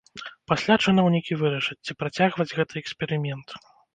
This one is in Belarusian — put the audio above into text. Пасля чыноўнікі вырашаць, ці працягваць гэты эксперымент.